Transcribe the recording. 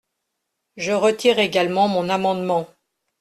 Je retire également mon amendement.